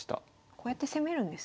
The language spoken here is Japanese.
こうやって攻めるんですね。